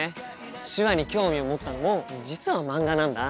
手話に興味を持ったのも実は漫画なんだ。